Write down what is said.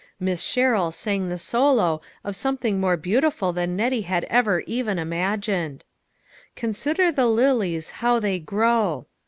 Miss Sherrill sang the solo of something more beautiful than Nettie had ever even imagined. " Consider the lilies how they grow."